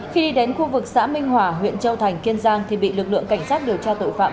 khi đi đến khu vực xã minh hòa huyện châu thành kiên giang thì bị lực lượng cảnh sát điều tra tội phạm